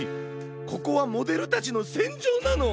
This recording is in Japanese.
ここはモデルたちのせんじょうなの！